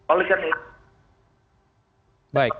oleh karena itu